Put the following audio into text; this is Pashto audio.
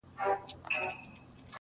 دا په جرګو کي د خبرو قدر څه پیژني!